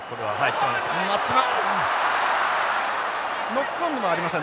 ノックオンはありません。